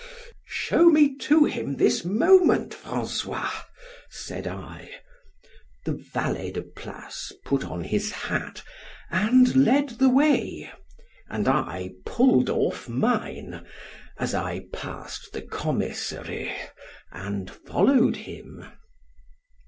—shew me to him this moment, François,—said I—The valet de place put on his hat, and led the way—and I pull'd off mine, as I pass'd the commissary, and followed him.